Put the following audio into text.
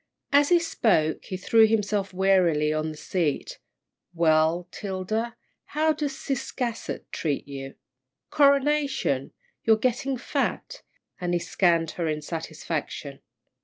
As he spoke, he threw himself wearily on the seat. "Well, 'Tilda, how does Ciscasset treat you? Coronation! You're getting fat," and he scanned her in satisfaction.